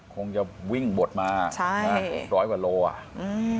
คงจะวิ่งบดมา๑๐๐กว่าโลว่ะ